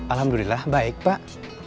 alhamdulillah baik pak